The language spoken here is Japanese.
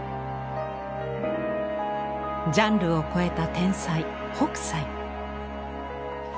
ジャンルを超えた天才北斎。